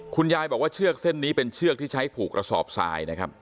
คุณยายบอกว่าเชือกเส้นนี้เป็นเชือกที่ใช้ผูกกระสอบทรายนะครับ